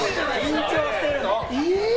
緊張してるの！